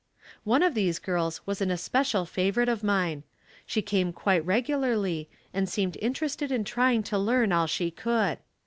One of these girls was an especial favorite of mine. She came quite regularly and seemed interested in trying to learn all she could.